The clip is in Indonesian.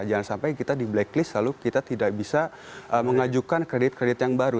jangan sampai kita di blacklist lalu kita tidak bisa mengajukan kredit kredit yang baru